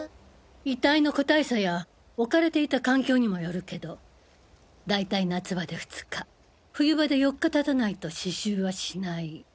遺体の個体差や置かれていた環境にもよるけど大体夏場で２日冬場で４日たたないと死臭はしない。